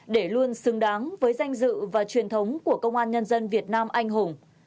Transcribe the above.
để luôn xứng đáng với danh dự và truyền thống của công an nhân dân việt nam anh hùng